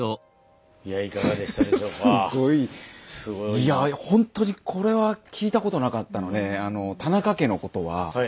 いやほんとにこれは聞いたことなかったので田中家のことは。